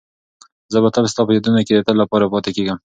زه به تل ستا په یادونو کې د تل لپاره پاتې کېږم.